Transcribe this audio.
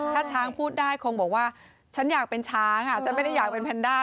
ถ้าช้างพูดได้คงบอกว่าฉันอยากเป็นช้างฉันไม่ได้อยากเป็นแพนด้า